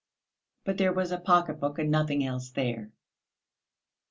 But there was a pocket book and nothing else there.